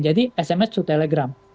jadi sms to telegram